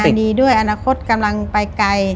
ทำงานดีด้วยอนาคตกำลังไปไกล